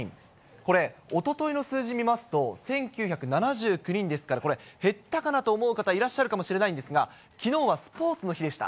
これ、おとといの数字見ますと、１９７９人ですから、これ、減ったかなと思う方、いらっしゃるかもしれないんですが、きのうはスポーツの日でした。